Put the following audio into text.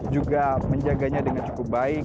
juga menjaganya dengan cukup baik